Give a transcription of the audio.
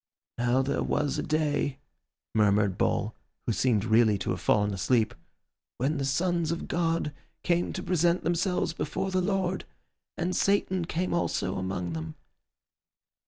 "'Now there was a day,'" murmured Bull, who seemed really to have fallen asleep, "'when the sons of God came to present themselves before the Lord, and Satan came also among them.